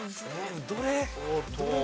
どれ？